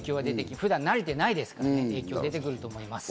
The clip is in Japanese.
普段慣れていないので影響が出てくると思います。